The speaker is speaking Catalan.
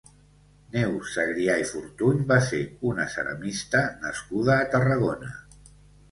Neus Segrià i Fortuny va ser una ceramista nascuda a Tarragona.